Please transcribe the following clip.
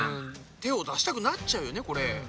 手を出したくなっちゃうよねこれ。